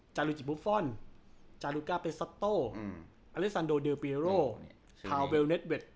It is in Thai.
จารุจิปุฟฟอลจารุก้าเปซัตโตอเลซานโดเดลปีโรพาวเวลเนทเวท